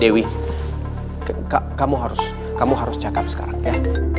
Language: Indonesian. dewi kamu harus cakap sekarang ya